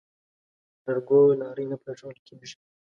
لرګو لارۍ نه پرېښوول کېږي.